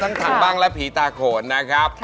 ทั้งถังปั้งและผีตะโขนนะครับ